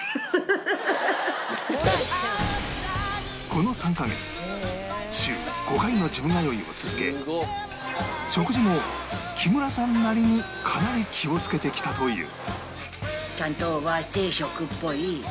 この３カ月週５回のジム通いを続け食事も木村さんなりにかなり気をつけてきたという